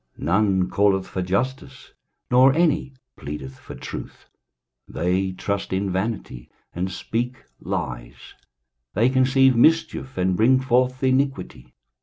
23:059:004 None calleth for justice, nor any pleadeth for truth: they trust in vanity, and speak lies; they conceive mischief, and bring forth iniquity.